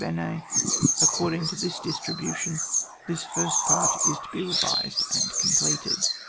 B, — According to this distribulion, this Jirst part is to be revised and completed).